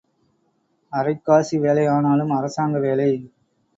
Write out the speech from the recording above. அரைக் காசு வேலை ஆனாலும் அரசாங்க வேலை.